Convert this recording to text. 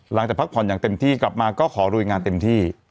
หลังจากพักผ่อนอย่างเต็มที่กลับมาก็ขอลุยงานเต็มที่